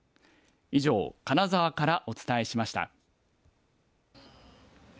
以上、金沢からお伝えしました。